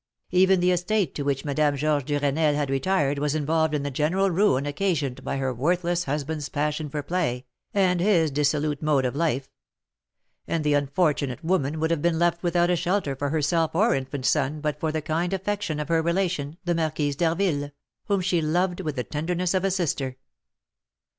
Even the estate to which Madame Georges Duresnel had retired was involved in the general ruin occasioned by her worthless husband's passion for play, and his dissolute mode of life; and the unfortunate woman would have been left without a shelter for herself or infant son but for the kind affection of her relation, the Marquise d'Harville, whom she loved with the tenderness of a sister.